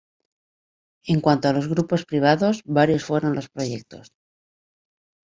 En cuanto a los grupos privados, varios fueron los proyectos.